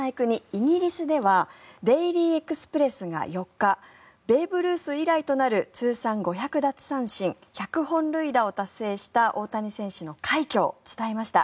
イギリスではデイリー・エクスプレスが４日ベーブ・ルース以来となる通算５００奪三振１００本塁打を達成した大谷選手の快挙を伝えました。